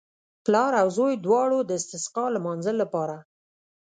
پلار او زوی دواړو د استسقا لمانځه لپاره.